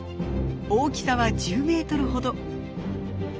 大きさは１０メートルほど。